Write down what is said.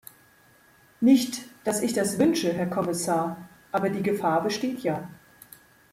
Nicht dass ich das wünsche, Herr Kommissar, aber die Gefahr besteht ja.